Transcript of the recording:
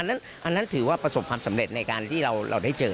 อันนั้นถือว่าประสบความสำเร็จในการที่เราได้เจอ